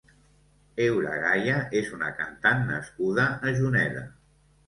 Heura Gaya és una cantant nascuda a Juneda.